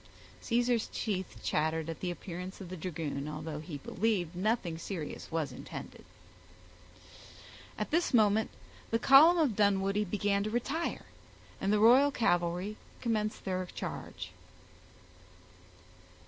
Caesar's teeth chattered at the appearance of the dragoon, although he believed nothing serious was intended. At this moment the column of Dunwoodie began to retire, and the royal cavalry commenced their charge.